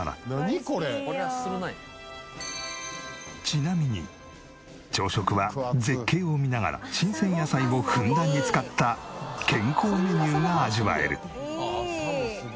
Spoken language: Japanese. ちなみに朝食は絶景を見ながら新鮮野菜をふんだんに使った健康メニューが味わえる。